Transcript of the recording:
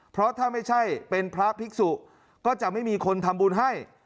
เพราะถ้าไม่ใช่เป็นพระภิกษุก็จะไม่มีคนทำบุญให้